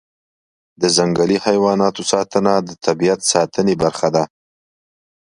د ځنګلي حیواناتو ساتنه د طبیعت ساتنې برخه ده.